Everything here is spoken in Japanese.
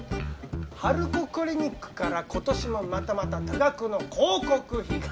ハルコクリニックから今年もまたまた多額の広告費が。